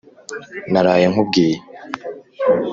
naraye nkubwiye”